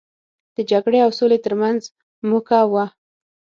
د جګړې او سولې ترمنځ موکه وه.